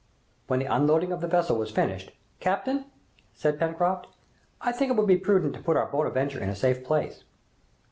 When the unloading of the vessel was finished, "Captain," said Pencroft, "I think it would be prudent to put our 'Bonadventure' in a safe place."